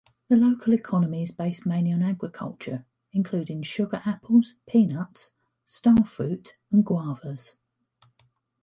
The local economy is based mainly on agriculture, including sugar-apples, peanuts, starfruit and guavas.